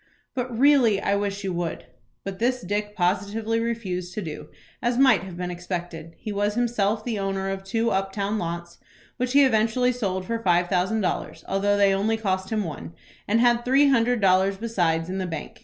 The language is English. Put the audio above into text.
"But really I wish you would." But this Dick positively refused to do, as might have been expected. He was himself the owner of two up town lots, which he eventually sold for five thousand dollars, though they only cost him one, and had three hundred dollars besides in the bank.